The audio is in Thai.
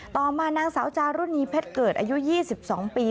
ต่อมานางสาวจารุณีเพชรเกิดอายุ๒๒ปี